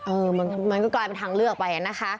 มันก็กลายเป็นทางเลือกไปนะคะ